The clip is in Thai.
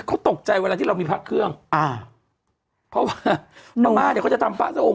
เขาตกใจเวลาที่เรามีพระเครื่องอ่าเพราะว่าพม่าเนี้ยเขาจะทำพระสะอง